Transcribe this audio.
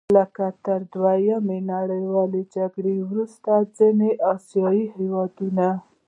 لکه تر دویمې نړیوالې جګړې وروسته ختیځې اسیا هېوادونه.